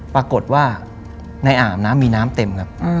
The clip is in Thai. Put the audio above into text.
ปรากฏว่าในอาหารมีน้ำเต็มครับ